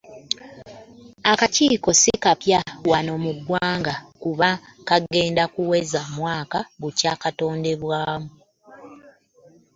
Akakiiko si kapya wano mu ggwanga kubanga kagenda kuweza omwaka bukya katondebwawo.